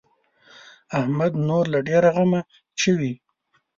احمد نور له ډېره غمه چويي.